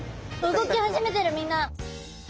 動き始めてるみんな！